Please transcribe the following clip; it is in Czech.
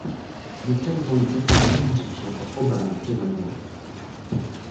Vnitřek zvonice chrání mříž jako obrana před vandaly.